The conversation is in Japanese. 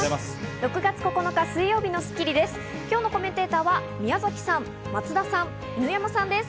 ６月９日、水曜日の『スッキリ』です。